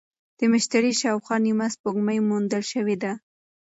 د مشتري شاوخوا نیمه سپوږمۍ موندل شوې ده.